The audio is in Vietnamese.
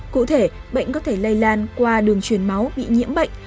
cụ thể bệnh có thể lây lan qua đường chuyển máu bị nhiễm bệnh